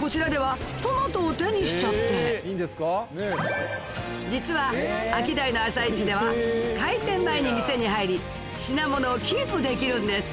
こちらではトマトを手にしちゃって実はアキダイの朝市では開店前に店に入り品物をキープできるんです